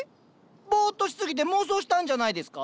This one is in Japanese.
ボーッとしすぎて妄想したんじゃないですか？